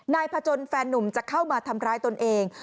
พจนแฟนนุ่มจะเข้ามาทำร้ายตนเอง